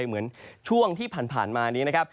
เหมือนช่วงที่ผ่านมานี้นะครับ